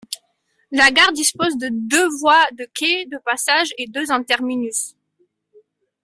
La gare dispose de deux voies de quai de passage et deux en terminus.